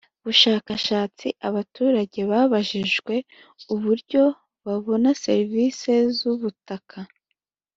Bushakashatsi abaturage babajijwe uburyo babona serisi z ubutaka